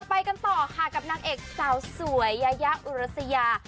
ไปกันต่อค่ะกับนางเอกสาวสวยยายาอุรัสยา